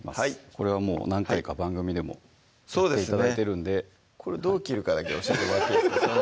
これはもう何回か番組でもやって頂いてるんでこれどう切るかだけ教えてもらっていいですか？